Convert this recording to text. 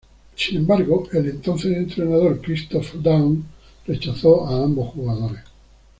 Sin embargo, el entonces entrenador Christoph Daum rechazó a ambos jugadores.